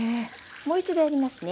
もう一度やりますね。